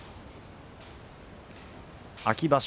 秋場所